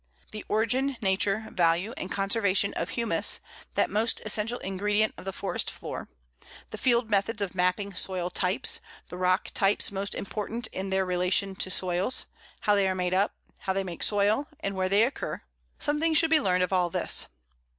The origin, nature, value, and conservation of humus, that most essential ingredient of the forest floor; the field methods of mapping soil types; the rock types most important in their relation to soils, how they are made up, how they make soil, and where they occur something should be learned of all this.